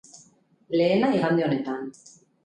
Lehena, igande honetan.